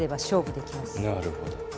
なるほど。